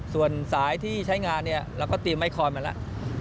ส่วนสายที่ใช้งานเราก็เตรียมไมค์คอร์นมาแล้ว